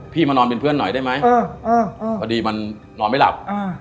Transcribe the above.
มานอนเป็นเพื่อนหน่อยได้ไหมพอดีมันนอนไม่หลับ